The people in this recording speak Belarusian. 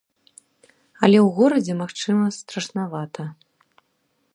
Але ў горадзе магчыма страшнавата.